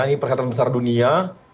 ini perhelatan besar dunia